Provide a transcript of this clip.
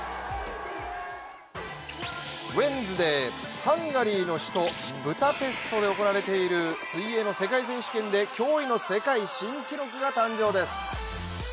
ウェンズデーハンガリーの首都・ブタペストで行われている水泳の世界選手権で驚異の世界新記録が誕生です。